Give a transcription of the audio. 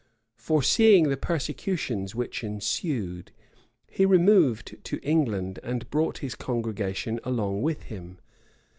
Foreseeing the persecutions which ensued, he removed to England, and brought his congregation along with him.